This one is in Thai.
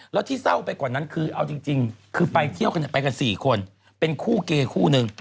แล้วที่เศร้าไปกว่านั้นคือเอาจริงคือไปเที่ยวกันไปกัน๔คนเป็นคู่เกย์คู่นึง